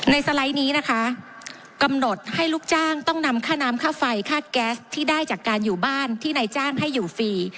สไลด์นี้นะคะกำหนดให้ลูกจ้างต้องนำค่าน้ำค่าไฟค่าแก๊สที่ได้จากการอยู่บ้านที่นายจ้างให้อยู่ฟรี